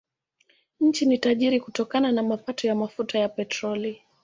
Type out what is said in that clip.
Nchi ni tajiri kutokana na mapato ya mafuta ya petroli.